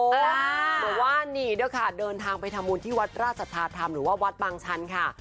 บอกว่านี่เดี๋ยวค่ะเดินทางไปทะมุนที่วัดราชศาสตร์ธรรมหรือว่าวัดบางชั้นค่ะ